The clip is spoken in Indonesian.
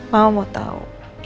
mama mau tahu